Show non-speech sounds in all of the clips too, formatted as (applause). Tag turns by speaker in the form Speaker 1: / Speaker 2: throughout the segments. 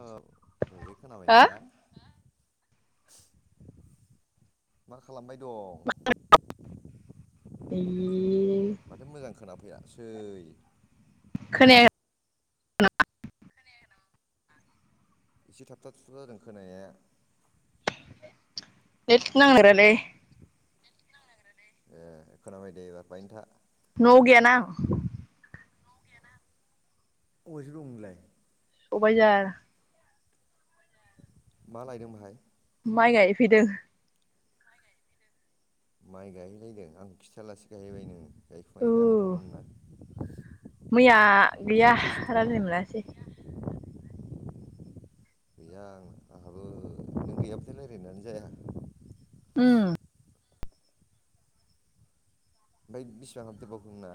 Speaker 1: औ रजे
Speaker 2: हो
Speaker 1: खोनाबायना? (inaudible) मा खालामबाय दं?
Speaker 2: ए
Speaker 1: माथो मोजां खोना फैयासै।
Speaker 2: (unintelligible)
Speaker 1: एसे थाबथा थुथा जादों खोनानायाख
Speaker 2: नेथ नांमेरालै।
Speaker 1: नेथ नांनो नागिरालै। ए खोनाबाय दे एबार बायनो था।
Speaker 2: न'आव गैया ना आं।
Speaker 1: न'आव गैया ना आं। अबायथो दं नोंलाय?
Speaker 2: सबायझार।
Speaker 1: मा लायदों बेहाय?
Speaker 2: माइ गायफैदों।
Speaker 1: माइ गायहैलायदों आंखौ खिथायालासे गायहैबाय नोङो?
Speaker 2: औ। मैया गैया
Speaker 1: सोर सोर थांदों
Speaker 2: रायलायनो मोनासै।
Speaker 1: गैया आं आंहाबो नों गैयाबाथाय रायलायनायानो जाया।
Speaker 2: उम।
Speaker 1: ओमफ्राय बिसिबां हाबदेरबावखो नोंना?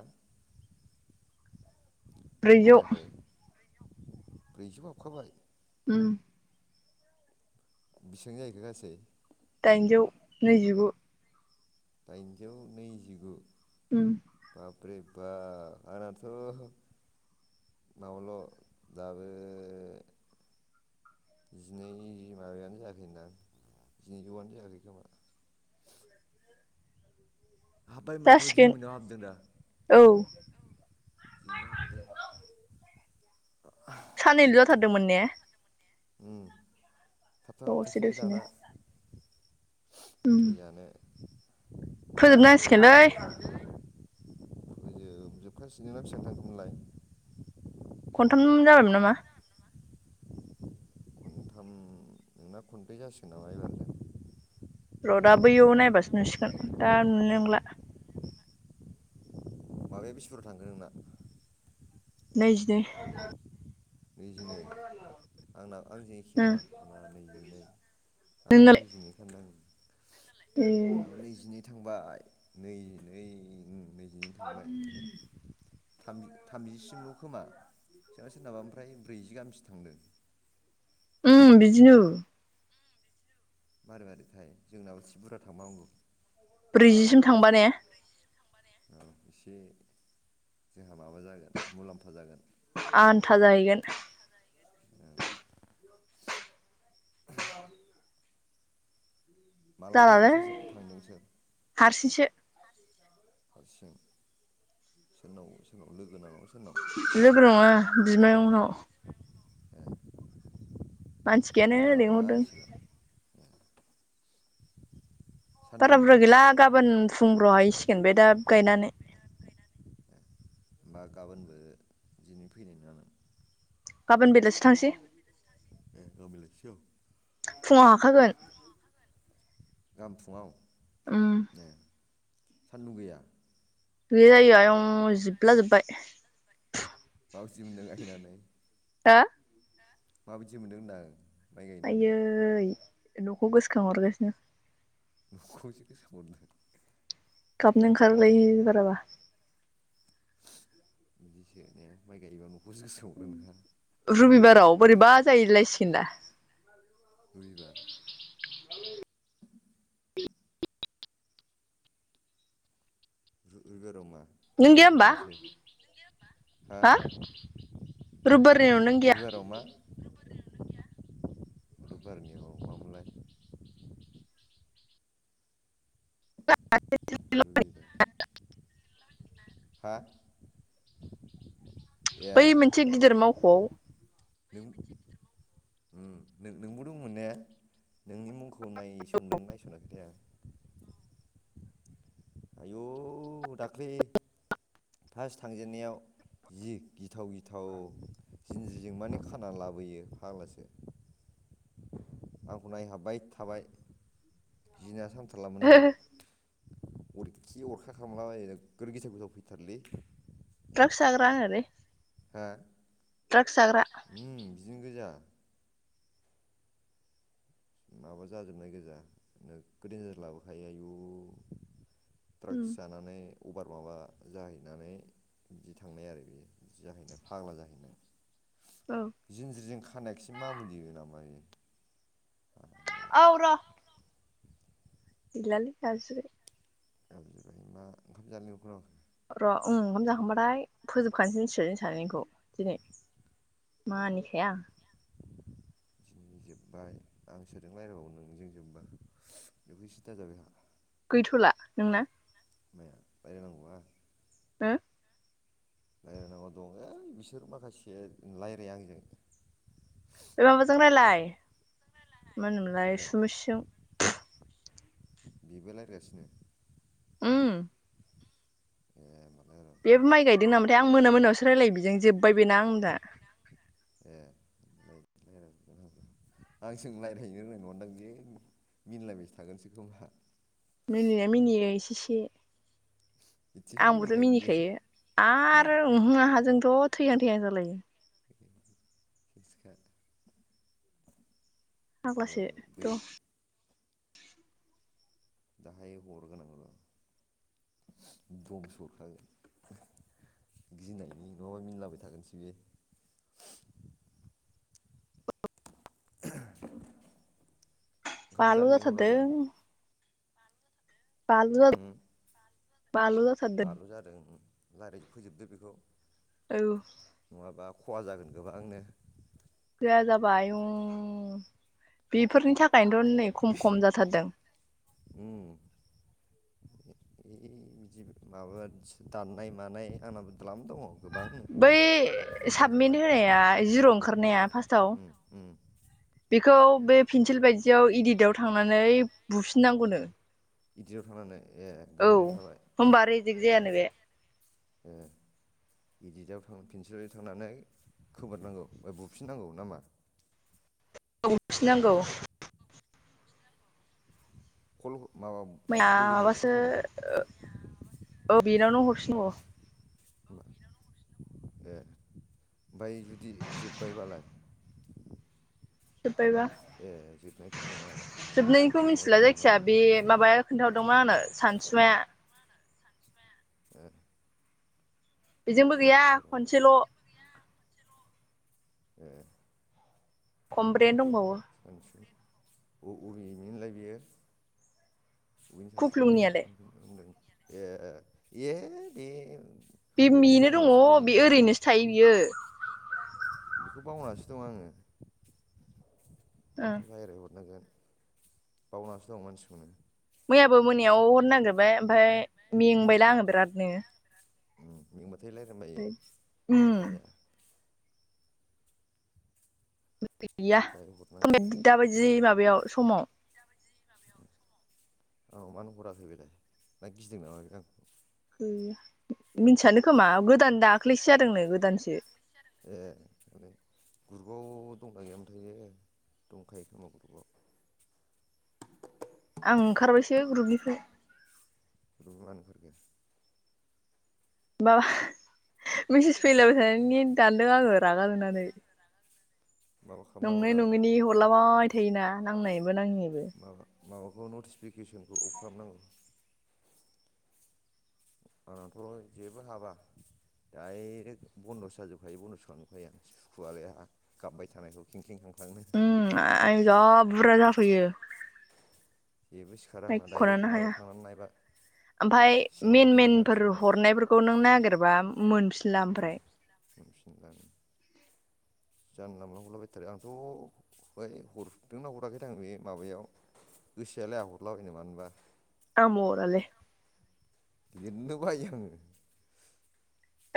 Speaker 2: ब्रैजौ।
Speaker 1: ब्रैजौ ब्रैजौ हाबखाबाय।
Speaker 2: उम।
Speaker 1: बिसेबां जाहैखो गासै?
Speaker 2: दाइनजौ नैजिगु।
Speaker 1: दाइनजौ नैजिगु।
Speaker 2: उम।
Speaker 1: आरे बा आंनाथ' बावल' दाबो जिनै माबायानो जायाखै होनदां जिनैजौआनो जायाखै खोमा।
Speaker 2: (inaudible)
Speaker 1: हाब्बाय माथ'
Speaker 2: जासिगोन
Speaker 1: दिन मोनाव हाबदों दा?
Speaker 2: औ
Speaker 1: (unintelligible)
Speaker 2: साननैल' जाथारदोंमोन ने?
Speaker 1: उम थाब थाब
Speaker 2: दसे
Speaker 1: हाबथारसै
Speaker 2: दसेनो
Speaker 1: दाना।
Speaker 2: उम
Speaker 1: मिथाइ जानो।
Speaker 2: फोजोबनांसिगोनलै।
Speaker 1: फोजोब जोबखाासिगोन ना बेसां थांदोंमोनलाय?
Speaker 2: खनथाम जाबायमोन नामा?
Speaker 1: खनथाम नोंना खन्ब्रै जासिगोन नामा एबारबो।
Speaker 2: र' दा बैयाव नायबासो नुसिगोन दा नुनो नंला।
Speaker 1: माबाया बिसि फुरा थांखो नोंना?
Speaker 2: नै जि नै।
Speaker 1: नैजिनै? आंनाबो आंजों एखे
Speaker 2: उम
Speaker 1: नामा आंना नैजिनै आंनाबो
Speaker 2: नोंनालाय
Speaker 1: नैजिनै हाबदों। नोंनालाय?
Speaker 2: ए
Speaker 1: ओ नैजिनै थांबाय नै-नै-नैज जिनै थांबाय। थाम-थामजिसिमल' खोमा सोरबा सोरनाबा फ्राय फमफ्राय ब्रैजि गाहामसो थांदों।
Speaker 2: ओं बिदिनो
Speaker 1: मारै मारै थायो जोंनाव इसि बुरा थांबनांगौ
Speaker 2: ब्रैजिसिम थांबा ने
Speaker 1: औ एसे जों माबा जागोन मुलाम्फा जागोन
Speaker 2: आन्था जाहैगोन
Speaker 1: औ माला
Speaker 2: जालालै
Speaker 1: फैगोन सोर सोरखौ थांदोंसो
Speaker 2: हारसिंसो
Speaker 1: हारसिं सोरनाव सोरनाव लोगोनाव
Speaker 2: लोगो नङा बिमायंनाव
Speaker 1: ए
Speaker 2: मानसि गैयानो
Speaker 1: बुरजा ना
Speaker 2: लेंहरदों
Speaker 1: एसेल' ए सान्दुं
Speaker 2: बारा बुरजा
Speaker 1: गैया
Speaker 2: गैला गाबोन फुंब्र'हायैसिगोन बे दा गायनानै
Speaker 1: बा गाबोनबो दिनै फैनाय नाम
Speaker 2: गाबोन बेलासो थांसै
Speaker 1: ए औ बेलासियाव
Speaker 2: फुङाव हाखागोन
Speaker 1: गाबोन फुङाव
Speaker 2: उम
Speaker 1: सान्दुं गैया
Speaker 2: गोया जाय आयं जोबला जोब्बायबाय
Speaker 1: बावसि मोनदों गाहैनानै
Speaker 2: हो
Speaker 1: माबायदि मोनदों होनदां माइ गायनानै
Speaker 2: आयै न'खौ गोसोखांहरगासिनो
Speaker 1: (unintelligible)
Speaker 2: गाबनो ओंखारलायो बाराबा
Speaker 1: बिदिसो ने माइ गायोबा न'खौसो गोसो हरो नोंहा
Speaker 2: आव बोरैबा जायोलाय सिगोना।
Speaker 1: रबिबार। (unintelligible)
Speaker 2: नों गैया
Speaker 1: मोजां
Speaker 2: होमबा
Speaker 1: खोनाबासो हा
Speaker 2: हो। रुबारनि उनाव नों गैया।
Speaker 1: रबिबाराव मा (unintelligible) हा। ए
Speaker 2: बै मोनसे गिदिर मावख'आव।
Speaker 1: नोंबो दंमोन ने नोंनि मुं खौ नायसनदों नायस'नाखैथाय आं। आयौ दाख्लै फार्स्ट थांजेनन्नायाव जि गिथाव गिथाव जिन्ज्रिजों माने खाना लाबोयो फाग्लासो। आंखौ नायहाबबाय थाबाय गिनायासो हामथारला मोन आंहा। अरखि अरखा खालामला बायो नोगोर गेसाव गेसाव फैथारोलै।
Speaker 2: ट्रागस जाग्रां होरै।
Speaker 1: हा ओम बिदिनो गोजा। माबा जाजोबनाय गोजा नोगोद देनजार लाबोखायो आयु।
Speaker 2: उम
Speaker 1: द्राक्स जानानै अभार माबा जाहैनानै। बिदि थांनाय आरो बेयो बिदि जाहैनाय फाग्ला जाहैनाय।
Speaker 2: औ
Speaker 1: जिनज्रिजों खानायाखसि मामुलि नामा बेयो।
Speaker 2: औ
Speaker 1: फाग्लासो
Speaker 2: र। गैलालै गाबजिबाय।
Speaker 1: गाबज्रिबाय मा ओंखाम जानो लिंहरखोना माखो।।
Speaker 2: र'ओं ओंखाम जाखांबाथाय फोजोबखानोसै मिथिबाय जों सानैनिखौ दिनै। मा निखाया।
Speaker 1: दिनै जोबबाय आं सोजों रायज्लायबावो नोंजों जोब्बा बेखौ सिन्था जाबाय आंहा।
Speaker 2: गैथ'ला नोंना?
Speaker 1: माया बायनांगौ आ
Speaker 2: हो
Speaker 1: रायलायनांगौ दं ओइ बिसोर माखासे रायलाया आंजों
Speaker 2: बे माबाजों रायलाय मा होनोमोनलाय
Speaker 1: ओरैजाय
Speaker 2: सुमेसजों।
Speaker 1: बेबो रायलायगासिनो।
Speaker 2: उम
Speaker 1: ए माला र'
Speaker 2: बेबो माइ गायदों नामाथाय आं मोना मोनायावसो रायलायो बिजों जोब्बाय बेना आं दा
Speaker 1: ए ए उम आंजों रायलायनो रोंनाय नङानदां बे मिनलाबाय थागोनसो खोमा।
Speaker 2: मिनिनाया मिनियो एसे एसे
Speaker 1: बिदिसो
Speaker 2: आंबोथ'
Speaker 1: बियो
Speaker 2: मिनिखायो आरो उमहो आंहाजोंथ' थैहां थैहां जालायो।
Speaker 1: (unintelligible) र' बै
Speaker 2: फाग्लासोथ'
Speaker 1: दाहाय हरगोनां र'' (unintelligible) गिनायनि नङाबा मिनिलाबाय थागोनसो बेयो।
Speaker 2: (unintelligible)
Speaker 1: ओंखाम
Speaker 2: बालु
Speaker 1: जानो लिंहरलाबाय
Speaker 2: जाथादों।
Speaker 1: नोंखौ
Speaker 2: बालु जाथ
Speaker 1: बालु जादों रायलाय फोजोबदो बेखौ
Speaker 2: औ
Speaker 1: नङाबा खहा जागोन गोबांनो।
Speaker 2: (unintelligible) जाबाय उम बेफोरनि थाख खायनोथ' नै खम खम जाथारदों
Speaker 1: ओइ बिदि माबा दाननाय मानाय आंनाबो दलाम दङ' गोबांनो
Speaker 2: बै
Speaker 1: बांसिन
Speaker 2: साबमिट
Speaker 1: जाजोब्बाय
Speaker 2: होनाया जिर'
Speaker 1: उम
Speaker 2: ओंखारनाया फार्स्टाव
Speaker 1: उम उम
Speaker 2: बेखौ बे फेन्सिल बायदियाव इदिटआव थांनानै बुफिननांगौनो
Speaker 1: बिदियाव थांनानै ए
Speaker 2: औ
Speaker 1: गोजोननाय थाबाय
Speaker 2: होमबा रेजेक्ट जायानो बे
Speaker 1: ओ इदिटाव थां पेन्सिल थांनानै खोमोरनांगौ बुफिननांगौ नामा
Speaker 2: (unintelligible)
Speaker 1: खल
Speaker 2: माया माबासो ओ ओ बेनावनो हरफिन ओ (unintelligible)
Speaker 1: ओमफाय जुदि जोबबायबालाय ए जोबनाय
Speaker 2: जोबनायखौ मिथिला जायखिया बे माबाया खोन्थाहरदोंमोन आंनो
Speaker 1: उम
Speaker 2: सानसुमाया
Speaker 1: ओ
Speaker 2: बेजोंबो गैया खनसेल'
Speaker 1: ए
Speaker 2: खमब्रैयानो दंबावो
Speaker 1: सानसु ओ उरिमोनलाय इयो बबेनि सानसुमाजों
Speaker 2: खुख्लुंनियालाय
Speaker 1: होनदों होनदों ए ए बे
Speaker 2: बे
Speaker 1: गथ'खौ
Speaker 2: बेनो
Speaker 1: बावनासो दं
Speaker 2: दङ' बे
Speaker 1: आङो
Speaker 2: ओरैनोसो थायो बियो
Speaker 1: खौ बावनासो दं आङो
Speaker 2: ओं
Speaker 1: लायराय हरनांगोन बावनासो दं मानसिखौनो
Speaker 2: मैयाबो मोनायाव हरनो नागिरबाय ओमफाय मेंबायना आङो बिरादनो
Speaker 1: उम मेंबाथाय रायलायनो बायो
Speaker 2: उम
Speaker 1: जाया
Speaker 2: (unintelligible) गैया
Speaker 1: दायो हरनांसिगोन नालाय
Speaker 2: दाबायदि माबायाव समाव
Speaker 1: औ मानो हराखै बेलाय ना गिदों नामा आंखौ
Speaker 2: ओम मिथियानो खोमा गोदान दाख्लैसो जादोंनो गोदानसो
Speaker 1: ए ग्रुपाव दंना गैयामोन थायो दंखायो खोमा ग्रुपआव
Speaker 2: आं ओंखारबायसो ग्रुपनिफ्राय
Speaker 1: (unintelligible)
Speaker 2: माबा मिसेस फैलायबाय थानायनि दानदों आङो रागा जोंनानै
Speaker 1: माबा
Speaker 2: नंनाय
Speaker 1: खालामनांगौरा
Speaker 2: नङैनि हरलाबाय थायोना नांनायनिबो नाङिनिबो
Speaker 1: बे नटिफिकेसनखौ अफ खालामनांगौ आंहथ'' जेबो हाबा डायरेक्ट बन्दसो जाजोब खायो बन्दसो खालामांजोबखायो आं सुखुवलाय आहा गाबबाय थानायखौ खें खें ख्रिंखां
Speaker 2: उम आय जा बुरजा जाफैयो
Speaker 1: जेबो सिखारा आंना डाइरेक्ट माबायाव थांनानै नायबा
Speaker 2: ओमफ्राय
Speaker 1: सिङाव
Speaker 2: मेन
Speaker 1: हाबनानै
Speaker 2: मेनफोर
Speaker 1: नायबासो नुयो
Speaker 2: हरनायफोरखौ नों नागिरबा मोनफिनला
Speaker 1: उम
Speaker 2: ओमफ्राय
Speaker 1: मोनफिनला उम जानला मोनला हरला बायथारो आंथ' है हरदोंना हराखै थाय आं बे माबायाव गोसोआलाय आं हरलाबायनो मानोबा
Speaker 2: आंबो हरालाय
Speaker 1: लिरनोनो बायो आङो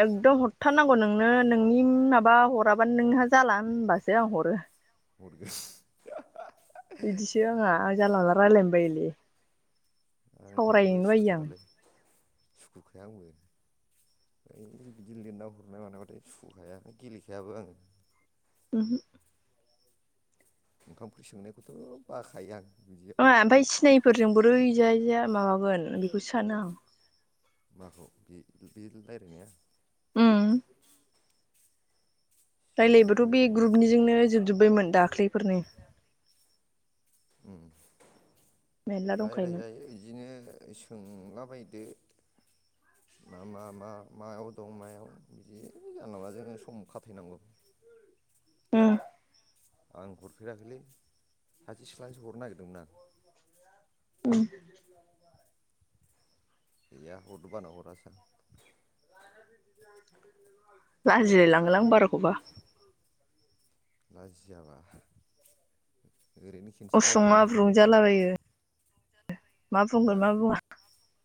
Speaker 2: एकदम हरथारनांगौ नोंनो नोंनि माबा हराबानो नोंहा जाला होनबासो आं हरो
Speaker 1: हरगोन
Speaker 2: बिदिसो आंहा आं जानला मोनला रायलायनो बायोलै
Speaker 1: आंबो
Speaker 2: सावरायनोनो बायो आं
Speaker 1: सुखुथारालै सुखुखाया आंबो ओइ बिदि लिरना हरनाय मानायाबाथाय सुखुखाया गेलेखायाबो आङो
Speaker 2: उमहो
Speaker 1: ओंखाम ओंख्रि संनायखौथ' बाखायो आं बिदियाव
Speaker 2: नङा ओमफाय सिनायिफोरजों बोरैजाय माबागोन बेखौसो सानो आं
Speaker 1: माखौ बे बे रायलायनाया
Speaker 2: उम रायलायोबाथ' बे
Speaker 1: सिनायैफोरजों
Speaker 2: ग्रुपनिजोंनो जोबजोब्बायमोन दाख्लैफोरनो
Speaker 1: उम
Speaker 2: मेरला दंखायोमोन
Speaker 1: रायलायजायो बिदिनो सोंलाबाय (unintelligible) मा मा मा मायाव दं मायाव बिदि जानला मानलाजोंनो सम खाथायनांगौ
Speaker 2: उम
Speaker 1: आं हरफेराखैलै सासे सिख्लानोसो हरनो नागिरदोंमोन आं
Speaker 2: उम
Speaker 1: गैया हरनो बाना हरासै आं
Speaker 2: लाजिलाय लाङोलां बाराखौबा
Speaker 1: लाजियाबा ओरैनो खेनसे
Speaker 2: उसुं
Speaker 1: रायलायहरनो
Speaker 2: आब्रुं
Speaker 1: नागिरदोंमोन आं
Speaker 2: जालाबायो मा बुंगोन
Speaker 1: हा
Speaker 2: मा बुङा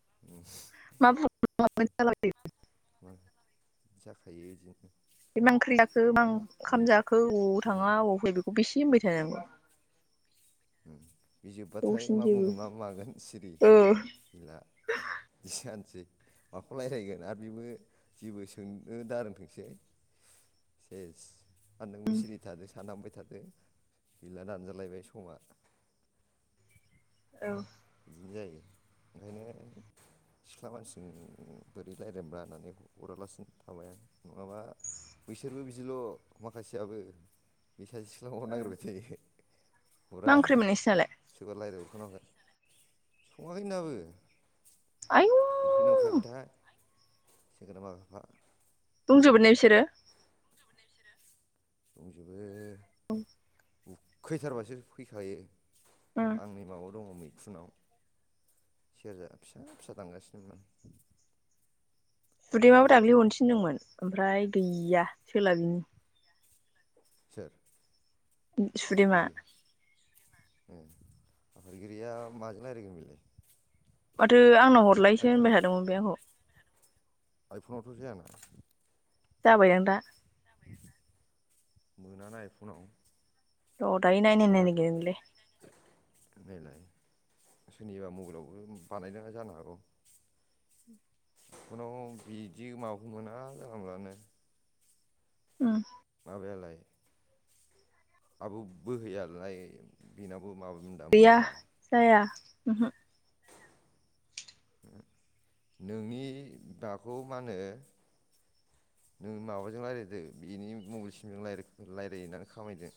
Speaker 1: (unintelligible)
Speaker 2: (unintelligible)
Speaker 1: उम जाखायो इदिनो
Speaker 2: बे मा ओंख्रि जाखो मा ओंखाम जाखो अबाव
Speaker 1: उम
Speaker 2: थाङा अबाव फैया बेखौ बेसे होनबाय थानांगौ
Speaker 1: उम बे जोब्बाथाय
Speaker 2: दसेनो
Speaker 1: मा
Speaker 2: जोबो
Speaker 1: बुंगोन मा मागोन सिरि
Speaker 2: ओ
Speaker 1: गैला बिदिजानोसै माखौ रायलायगोन आरो बेबो जेबो सोंनो दारोंथोंसै सेस आरो नोंबो सिरि थादो सानहाबबाय थादो गैला दानजालायबाय समा
Speaker 2: औ
Speaker 1: बिदि जायो ओंखायनो सिख्ला मानसिजों बोरै रायलायनोब्रा होननानै हरालासिनो थाबाय आं नङाबा बैसोरबो बिदिल' माखासेयाबो बे सासे सिख्लाखौल' नागिरबाय थायो
Speaker 2: मा
Speaker 1: हरा
Speaker 2: ओंख्रिमोन नोंसिनालाय
Speaker 1: सोरबा (unintelligible) सङाखैनो दाबो
Speaker 2: आयु
Speaker 1: उखैगोना उखैयाखैथाय (unintelligible)
Speaker 2: बुंजोबो ने बिसोरो
Speaker 1: दंजोबो
Speaker 2: औ
Speaker 1: उखैथारबासो फैखायो
Speaker 2: उम
Speaker 1: आं नै माबायाव दङ नै फुनाव सेरजा फिसा फिसा दामगासिनोमोन
Speaker 2: सुदेमाबो दाख्लै हरनो थिनदोंमोन ओमफ्राय गैया सोलाबिनि
Speaker 1: सोर
Speaker 2: सुदेमा
Speaker 1: आफादगिरि आफादगिरिया माजों रायलायगोन बिलाय
Speaker 2: माथो आंनाव हरलायसो होनबाय थादोंमोन बे आंखौ
Speaker 1: आइपनावथ' जायामोन
Speaker 2: जाबायदां दा
Speaker 1: मोनानो आइपनाव
Speaker 2: र दायो नायनाय नायनांगोनलै
Speaker 1: नैलाय सोरनिबा मबाइलावबो बानायदों जानो हागौ जिखन बिदि माबाखौ मोना जनलामानलानो
Speaker 2: उम
Speaker 1: माबायालाय आब' बोहैयाालाय बिनाव
Speaker 2: गोया जाया उमहु
Speaker 1: नोंनि दाखौ मा होनो नों माबाजों रायज्लायददों बेनि मबाइलसिमजों राय रायज्लायो होननानै खामायदों